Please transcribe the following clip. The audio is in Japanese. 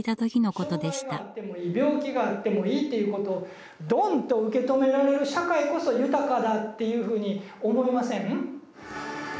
病気があってもいいっていうことをドンと受け止められる社会こそ豊かだっていうふうに思いません？